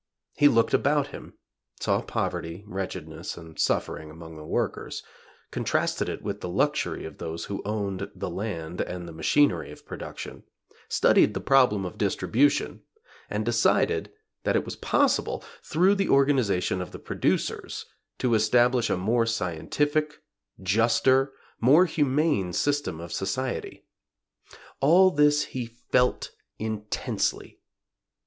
He looked about him; saw poverty, wretchedness and suffering among the workers; contrasted it with the luxury of those who owned the land and the machinery of production; studied the problem of distribution; and decided that it was possible, through the organization of the producers, to establish a more scientific, juster, more humane system of society. All this he felt, intensely.